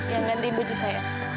yang ganti baju saya